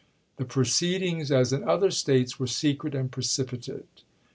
The proceedings, as in other States, were secret and precipitate.